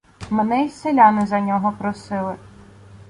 Мене й селяни за нього просили.